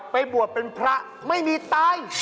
ไปบวชเป็นพระไม่มีตาย